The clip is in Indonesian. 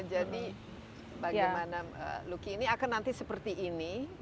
jadi bagaimana look ini akan nanti seperti ini